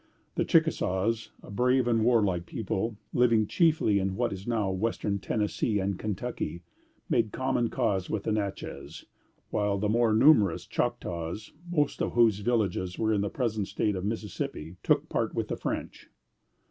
The Chickasaws, a brave and warlike people, living chiefly in what is now western Tennessee and Kentucky, made common cause with the Natchez, while the more numerous Choctaws, most of whose villages were in the present State of Mississippi, took part with the French.